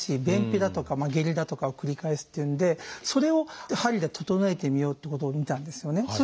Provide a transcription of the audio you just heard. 便秘だとか下痢だとかを繰り返すっていうんでそれを鍼で整えてみようってことをみたんですよね。